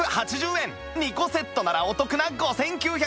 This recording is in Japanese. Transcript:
２個セットならお得な５９８０円